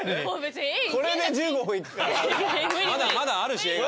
まだまだあるし絵が。